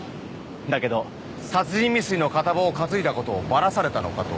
だけど殺人未遂の片棒を担いだことをバラされたのかと